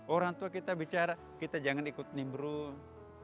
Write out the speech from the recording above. orang tua kita bicara kita jangan ikut nimbrun